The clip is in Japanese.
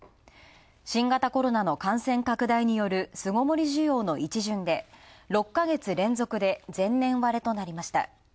新型コロナの感染拡大による巣ごもり需要の一巡で６ヶ月連続で前年割れとなりました。